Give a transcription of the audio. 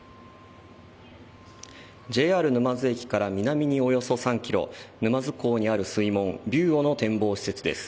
ＪＲ沼津駅から南におよそ３ｋｍ沼津港にある水門びゅうおの展望施設です。